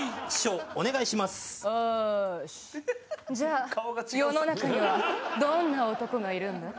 じゃあ世の中にはどんな男がいるんだ？